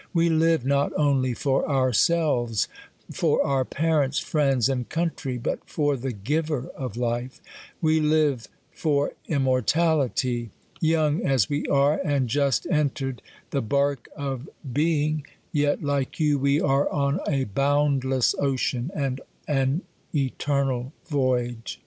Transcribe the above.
We live not only for ourselves, for our parents, friends, and country ; but for the Giver of life : we live for immor tality. Young as wc are, and just entered the bark of being ; THE COLUMBIAN ORATOR. 287 beino; ; yet like you, we are on a boundless ocean, and an eternal voyage.